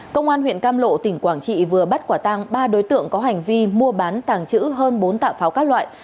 công an huyện cam lộ tỉnh quảng trị vừa bắt quả tang ba đối tượng có hành vi mua bán tàng trữ hơn bốn tạ pháo các loại